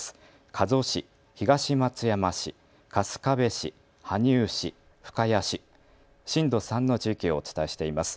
加須市、東松山市、春日部市、羽生市、深谷市、震度３の地域をお伝えしています。